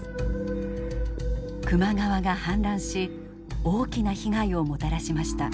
球磨川が氾濫し大きな被害をもたらしました。